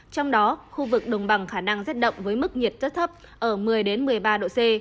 trong đó khu vực đồng bằng khả năng rét đậm với mức nhiệt rất thấp ở một mươi một mươi ba độ c